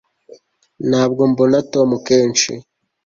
ntabwo mbona tom kenshi